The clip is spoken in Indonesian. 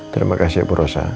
terima kasih bu rosa